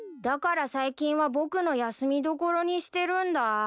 だから最近は僕の休みどころにしてるんだ。